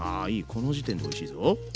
この時点でおいしいぞ。